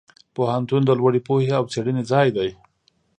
پوهنتون د لوړې پوهې او څېړنې ځای دی.